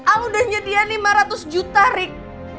al udah nyediain lima ratus juta rik